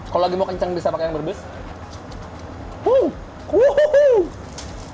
kalau lagi mau kencang bisa pakai yang berbes